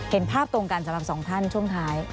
เห็นภาพตรงกันสำหรับสองท่านช่วงท้าย